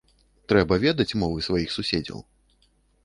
Трэба ведаць мовы сваіх суседзяў.